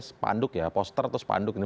sepanduk ya poster atau spanduk ini